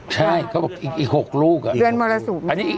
ใช่เขาบอกอีก๖ลูก